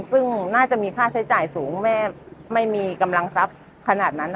ซึ่งน่าจะมีค่าใช้จ่ายสูงแม่ไม่มีกำลังทรัพย์ขนาดนั้น